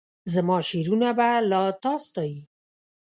زماشعرونه به لا تا ستایي